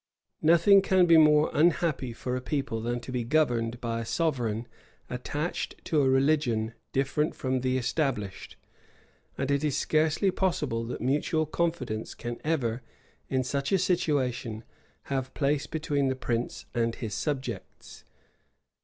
[*] Nothing can be more unhappy for a people than to be governed by a sovereign attached to a religion different from the established; and it is scarcely possible that mutual confidence can ever, in such a situation, have place between the prince and his subjects.